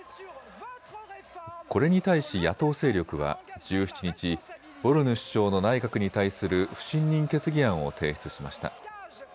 これに対し野党勢力は１７日、ボルヌ首相の内閣に対する不信任決議案を提出しました。